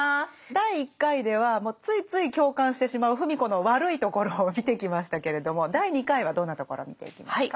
第１回ではついつい共感してしまう芙美子の悪いところを見てきましたけれども第２回はどんなところを見ていきますか？